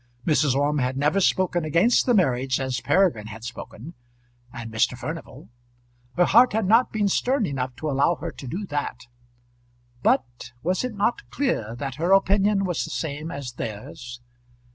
Mrs. Orme had never spoken against the marriage as Peregrine had spoken, and Mr. Furnival. Her heart had not been stern enough to allow her to do that. But was it not clear that her opinion was the same as theirs?